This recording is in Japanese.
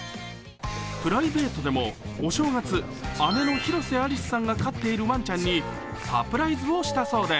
プライベートでもお正月姉の広瀬アリスさんが飼しているワンちゃんにサプライズをしたそうです。